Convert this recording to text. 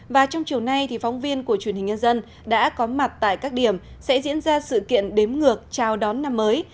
và trong chiều nay thì phóng viên của truyền hình nhân dân đã có mặt tại các điểm sẽ diễn ra sự kiện đếm ngược chào đón năm mới